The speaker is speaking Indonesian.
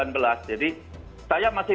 jadi saya masih